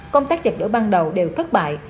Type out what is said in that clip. công tác dập lửa ban đầu đều thất bại